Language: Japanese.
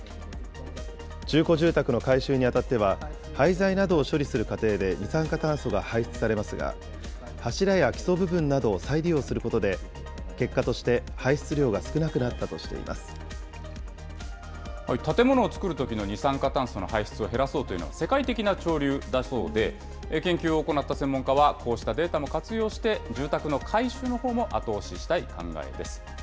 中古住宅の改修にあたっては、廃材などを処理する過程で二酸化炭素が排出されますが、柱や基礎部分などを再利用することで、結果として、排出量が少な建物を作るときの二酸化炭素の排出を減らそうというのは、世界的な潮流だそうで、研究を行った専門家は、こうしたデータも活用して、住宅の改修のほうも後押ししたい考えです。